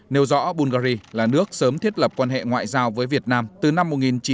nêu rõ bulgari là nước sớm thiết lập quan hệ ngoại giao với việt nam từ năm một nghìn chín trăm năm mươi năm